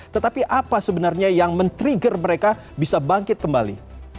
tetapi apa sebenarnya yang men trigger mereka bisa bangkit kembali